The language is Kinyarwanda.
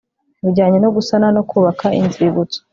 bijyanye no gusana no kubaka Inzibutso